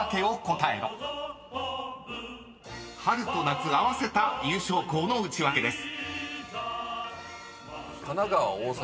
［春と夏合わせた優勝校のウチワケです］